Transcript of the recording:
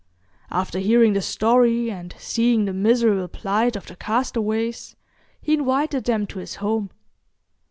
After hearing the story, and seeing the miserable plight of the castaways, he invited them to his home.